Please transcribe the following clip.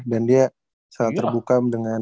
dan dia sangat terbuka